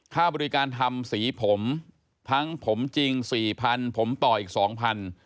ค่าบริการทำสีผมทั้งผมจริงสี่พันผมต่ออีกสองพัน